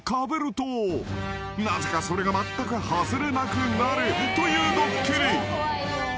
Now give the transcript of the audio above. ［なぜかそれがまったく外れなくなるというドッキリ］